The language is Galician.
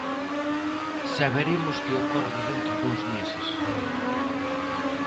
Saberemos que ocorre dentro duns meses.